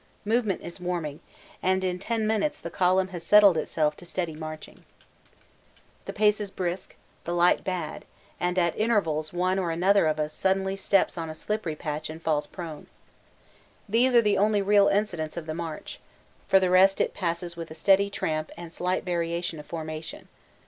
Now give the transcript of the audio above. Movement is warming, and in ten minutes the column has settled itself to steady marching. The pace is still brisk, the light bad, and at intervals one or another of us suddenly steps on a slippery patch and falls prone. These are the only real incidents of the march for the rest it passes with a steady tramp and slight variation of formation.